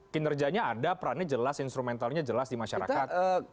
kinerjanya ada perannya jelas instrumentalnya jelas di masyarakat